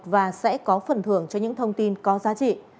và sẽ có phần thưởng cho những thông tin có giá trị